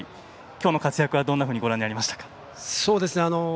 今日の活躍はどんなふうにご覧になりましたか？